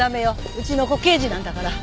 うちの子刑事なんだから。